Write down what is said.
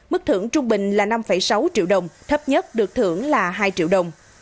mức thưởng trung bình là năm sáu triệu đồng thấp nhất được thưởng là hai triệu đồng